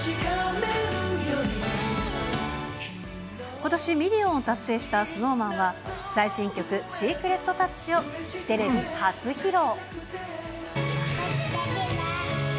ことしミリオンを達成したＳｎｏｗＭａｎは、最新曲、ＳｅｃｒｅｔＴｏｕｃｈをテレビ初披露。